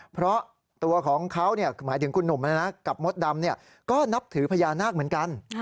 เพราะตัวของเขาคือหมายถึงคุณหนุ่มกับมดดำก็นับถือพญานาคเหมือนกัน